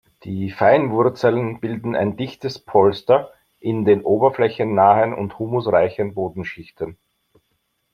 Die Feinwurzeln bilden ein dichtes Polster in den oberflächennahen und humusreichen Bodenschichten.